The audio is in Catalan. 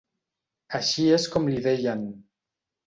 Així és com li deien.